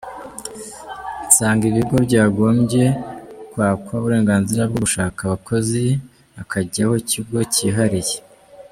Nsanga ibigo byagombye kwakwa uburenganzira bwo gushaka abakozi hakajyaho ikigo kihariye.